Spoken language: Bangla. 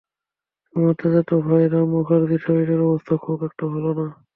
আমার চাচাতো ভাই রাম মুখার্জির শরীরের অবস্থা খুব একটা ভালো না।